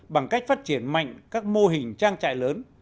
bằng cách phát triển mạnh các mô hình trang trại lớn